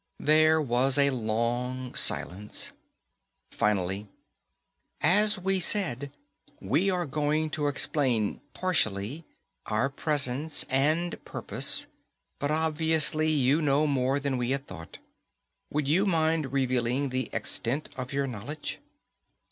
There was a long silence. Finally: _As we said, we were going to explain partially our presence and purpose, but obviously you know more than we had thought. Would you mind revealing the extent of your knowledge?